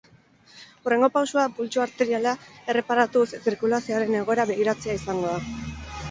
Hurrengo pausua pultsu arteriala erreparatuz zirkulazioaren egoera begiratzea izango da.